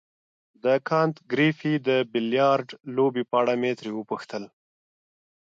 د کانت ګریفي د بیلیارډ لوبې په اړه مې ترې وپوښتل.